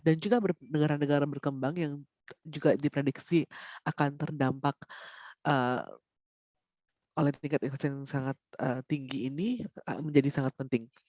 dan juga negara negara berkembang yang juga diprediksi akan terdampak oleh tingkat efek yang sangat tinggi ini menjadi sangat penting